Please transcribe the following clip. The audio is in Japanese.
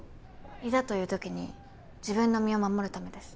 いざという時に自分の身を守るためです。